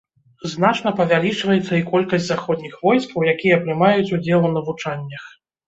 Значна павялічваецца і колькасць заходніх войскаў, якія прымаюць удзел у навучаннях.